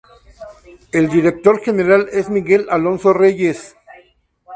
El director general es Miguel Alonso Reyes.